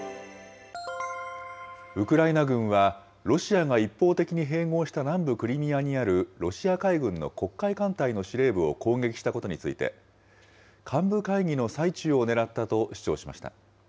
ウクライナ軍は、ロシアが一方的に併合した南部クリミアにあるロシア海軍の黒海艦隊の司令部を攻撃したことについて、幹部会議の最中を狙ったと主張しました。